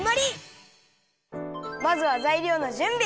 まずはざいりょうのじゅんび。